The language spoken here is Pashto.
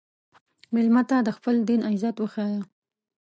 مېلمه ته د خپل دین عزت وښیه.